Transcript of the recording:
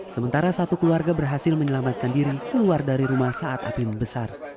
sementara satu keluarga berhasil menyelamatkan diri keluar dari rumah saat api membesar